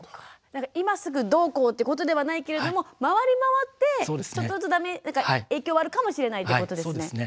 今すぐどうこうってことではないけれども回り回ってちょっとずつ影響はあるかもしれないってことですね。